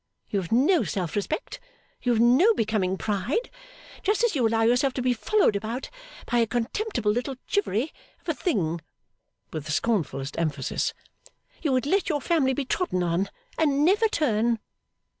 You have no self respect, you have no becoming pride, just as you allow yourself to be followed about by a contemptible little Chivery of a thing,' with the scornfullest emphasis, 'you would let your family be trodden on, and never turn.